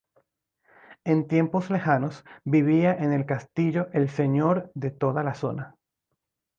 En tiempos lejanos vivía en el castillo el señor de toda la zona.